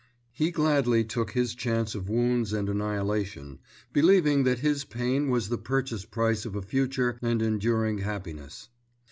He gladly took his chance of wounds and annihilation, believing that his pain was the purchase price of a future and enduring happiness.